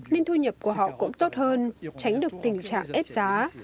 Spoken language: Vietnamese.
nên thu nhập của họ cũng tốt hơn tránh được tình trạng ép giá